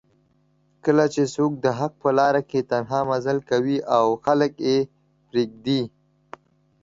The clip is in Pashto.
کله چې څوک دحق په لار کې تنها مزل کوي او خلک یې پریږدي